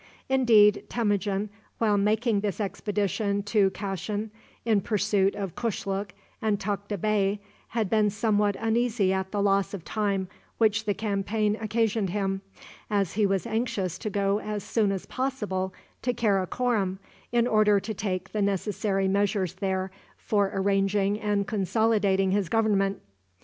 Indeed, Temujin, while making this expedition to Kashin in pursuit of Kushluk and Tukta Bey, had been somewhat uneasy at the loss of time which the campaign occasioned him, as he was anxious to go as soon as possible to Karakorom, in order to take the necessary measures there for arranging and consolidating his government.